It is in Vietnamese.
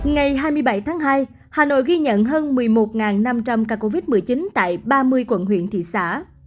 ngày hai mươi bảy tháng hai hà nội ghi nhận hơn một mươi một năm trăm linh ca covid một mươi chín tại ba mươi quận huyện thị xã